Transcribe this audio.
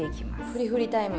ふりふりタイム。